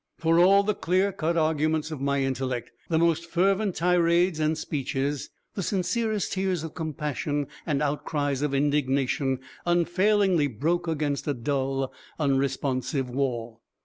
For, all the clear cut arguments of my intellect, the most fervent tirades and speeches, the sincerest tears of compassion and outcries of indignation unfailingly broke against a dull, unresponsive wall.